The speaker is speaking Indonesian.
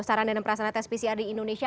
saran dan perasana tes pcr di indonesia